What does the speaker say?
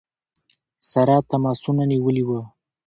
سره تماسونه نیولي ؤ.